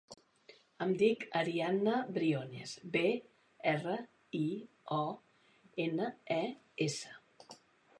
Em dic Ariana Briones: be, erra, i, o, ena, e, essa.